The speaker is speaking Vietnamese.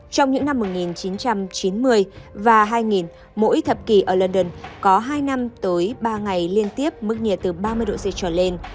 trong những năm một nghìn chín trăm chín mươi và hai nghìn mỗi thập kỷ ở london có hai năm tới ba ngày liên tiếp mức nhiệt từ ba mươi độ c trở lên